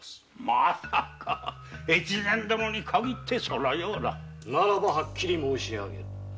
まさか大岡殿にかぎってそのような。ならばはっきり申しあげる。